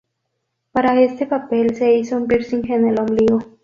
Para este papel se hizo un piercing en el ombligo.